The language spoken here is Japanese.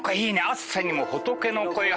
「暑さにも仏の声が」